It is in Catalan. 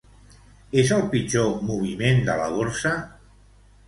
És el pitjor moviment de la borsa?